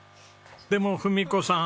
でも文子さん